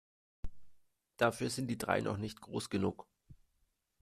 Dafür sind die drei noch nicht groß genug.